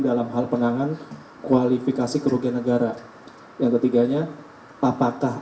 dalam hal penanganan kualifikasi kerugian negara yang ketiganya apakah